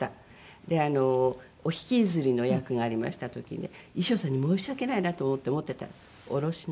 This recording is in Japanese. でお引きずりの役がありました時にね衣装さんに申し訳ないなと思って持ってたら「下ろしなさい」って。